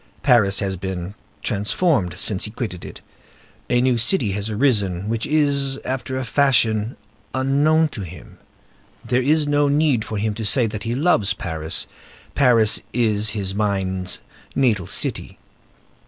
Paris has been transformed since he quitted it. A new city has arisen, which is, after a fashion, unknown to him. There is no need for him to say that he loves Paris: Paris is his mind's natal city.